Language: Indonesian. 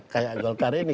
kayak golkar ini